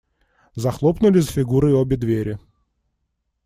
Захлопнули за Фигурой обе двери.